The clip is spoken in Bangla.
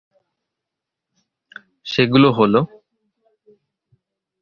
সেগুলো হলো;